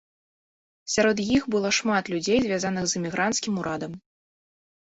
Сярод іх было шмат людзей, звязаных з эмігранцкім урадам.